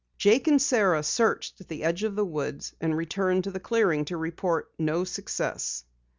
Jake and Sara searched at the edge of the woods and returned to the clearing to report no success.